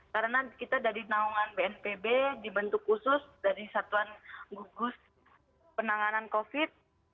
karena kita dari naungan bnpb dibentuk khusus dari satuan gugus penanganan covid sembilan belas